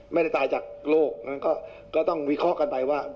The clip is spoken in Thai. ไม่ได้ตายจากโรคนั้นก็ต้องวิเคราะห์กันไปว่า